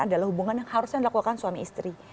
adalah hubungan yang harusnya dilakukan suami istri